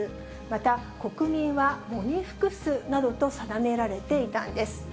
また、国民は喪に服すなどと定められていたんです。